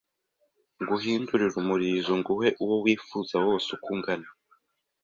nguhindurire umulizo nguhe uwo wifuza wose uko ungana